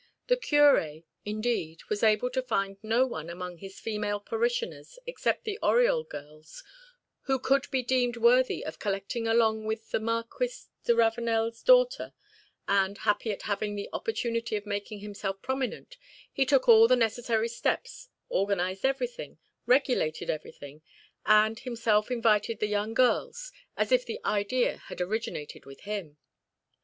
The curé, indeed, was able to find no one among his female parishioners except the Oriol girls who could be deemed worthy of collecting along with the Marquis de Ravenel's daughter; and, happy at having the opportunity of making himself prominent, he took all the necessary steps, organized everything, regulated everything, and himself invited the young girls, as if the idea had originated with him.